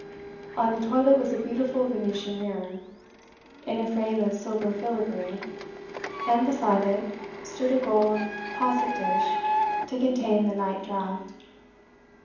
On the toilet was a beautiful Venetian mirror, in a frame of silver filigree, and beside it stood a gold posset dish to contain the night draught.